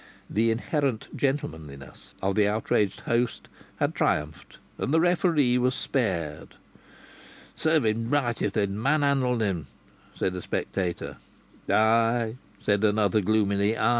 The inherent gentlemanliness of the outraged host had triumphed and the referee was spared. "Served him right if they'd man handled him!" said a spectator. "Ay!" said another, gloomily, "ay!